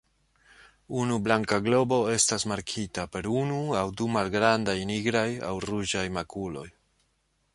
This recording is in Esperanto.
Unu blanka globo estas markita per unu aŭ du malgrandaj nigraj aŭ ruĝaj makuloj.